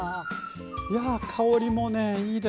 いや香りもねいいですね。